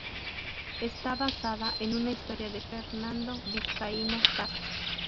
Está basada en una historia de Fernando Vizcaíno Casas.